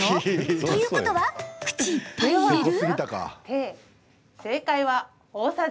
ということは口いっぱい入れる？